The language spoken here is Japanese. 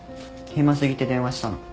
暇過ぎて電話したの。